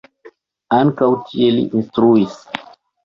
Ankaŭ tie li instruis.